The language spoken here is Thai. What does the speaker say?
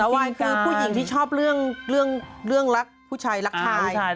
วายคือผู้หญิงที่ชอบเรื่องรักผู้ชายรักชาย